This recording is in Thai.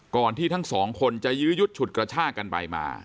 ก่อนที่ทั้งสองคนจะยืดชุดกระช่ากันไปมา